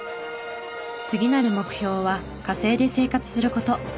次なる目標は火星で生活する事。